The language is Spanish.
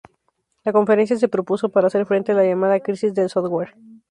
La conferencia se propuso para hacer frente la llamada crisis del software.